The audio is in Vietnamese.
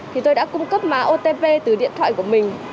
thì tôi đã cung cấp mạng otp từ điện thoại của mình